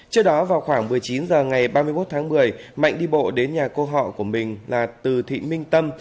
trước đó vào khoảng một mươi chín h ngày ba mươi một tháng một mươi mạnh đi bộ đến nhà cô họ của mình là từ thị minh tâm